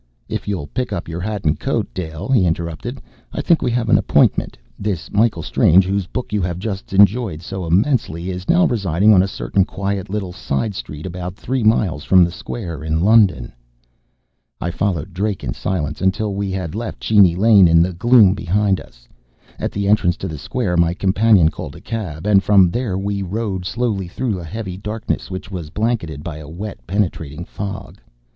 "If you'll pick up your hat and coat, Dale," he interrupted, "I think we have an appointment. This Michael Strange, whose book you have just enjoyed so immensely, is now residing on a certain quiet little side street about three miles from the square, in London!" I followed Drake in silence, until we had left Cheney Lane in the gloom behind us. At the entrance to the square my companion called a cab; and from there on we rode slowly, through a heavy darkness which was blanketed by a wet, penetrating fog.